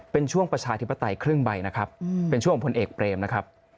เป็นช่วงประชาธิปไตยครึ่งใบนะครับเป็นช่วงของพลเอกเปรมนะครับ